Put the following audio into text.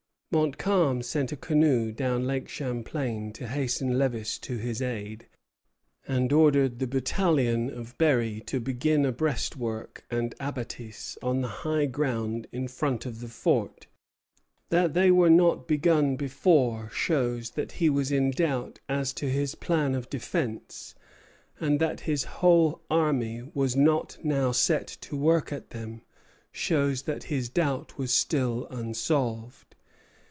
Montcalm sent a canoe down Lake Champlain to hasten Lévis to his aid, and ordered the battalion of Berry to begin a breastwork and abattis on the high ground in front of the fort. That they were not begun before shows that he was in doubt as to his plan of defence; and that his whole army was not now set to work at them shows that his doubt was still unsolved.